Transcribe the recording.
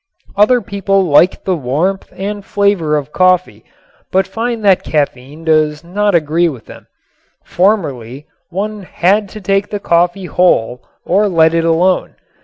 Other people liked the warmth and flavor of coffee but find that caffein does not agree with them. Formerly one had to take the coffee whole or let it alone.